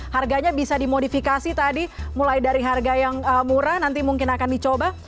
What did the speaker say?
harganya bisa dimodifikasi tadi mulai dari harga yang murah nanti mungkin akan dicoba